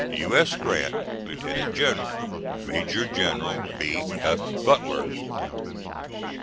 "U. S. GRANT, Lieutenant General. "MAJOR GENERAL B. F. BUTLER."